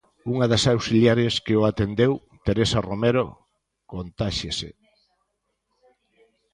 Unha das auxiliares que o atendeu, Teresa Romero, contáxiase.